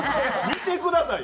見てください！